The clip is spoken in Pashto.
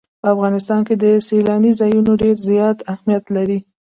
په افغانستان کې سیلاني ځایونه ډېر زیات اهمیت لري.